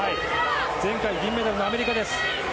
前回銀メダルのアメリカです。